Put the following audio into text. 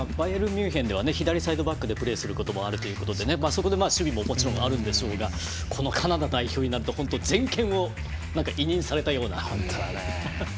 ミュンヘンでは左サイドバックでプレーすることもあるということでそこで守備ももちろんあるんでしょうがこのカナダ代表になると全権を委任されたような。